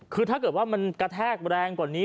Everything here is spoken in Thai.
คือถ้าเกิดว่ามันกระแทกแรงกว่านี้